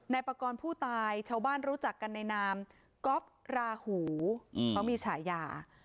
ในปกรณ์ผู้ตายชาวบ้านรู้จักกันนายนามก๊อฟขระหูมีฉายา